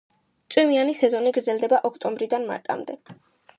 წვიმიანი სეზონი გრძელდება ოქტომბრიდან მარტამდე.